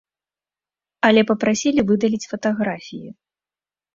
Але папрасілі выдаліць фатаграфіі.